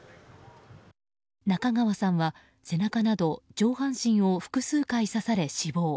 中川さんは背中など上半身を複数回刺され死亡。